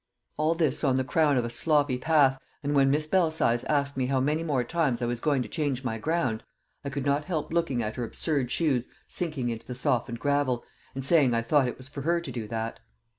All this on the crown of a sloppy path, and when Miss Belsize asked me how many more times I was going to change my ground, I could not help looking at her absurd shoes sinking into the softened gravel, and saying I thought it was for her to do that.